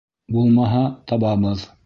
Булмаһа, табабыҙ!